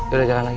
yaudah jalan lagi